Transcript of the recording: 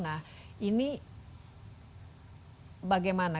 nah ini bagaimana